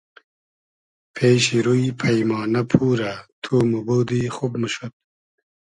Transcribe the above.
پېشی روی پݷمانۂ پورۂ تو موبودی خوب موشود